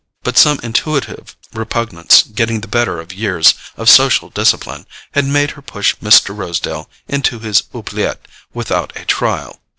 But some intuitive repugnance, getting the better of years of social discipline, had made her push Mr. Rosedale into his OUBLIETTE without a trial.